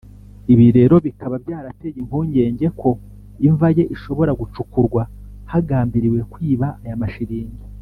ibi rero bikaba byarateye impungenge ko imva ye ishobora gucukurwa hagambiriwe kwiba aya mashiringi